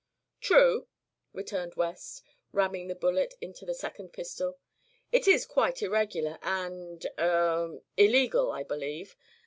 "True," returned West, ramming the bullet into the second pistol; "it is quite irregular and er illegal, I believe.